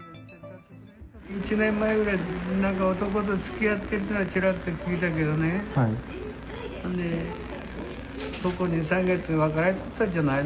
１年前くらいに、なんか男とつきあってるっていうのはちらっと聞いたけどね、ここ２、３か月、別れたんじゃないの？